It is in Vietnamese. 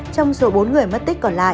trong số bốn người mất tích còn lại